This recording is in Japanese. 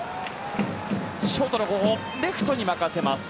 ショートの後方レフトに任せます。